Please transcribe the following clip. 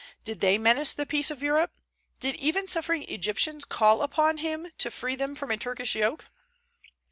Did they menace the peace of Europe? Did even suffering Egyptians call upon him to free them from a Turkish yoke?